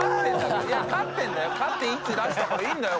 勝って１出したからいいんだよ